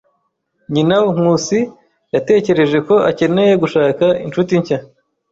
Nyina wa Nkusi yatekereje ko akeneye gushaka inshuti nshya.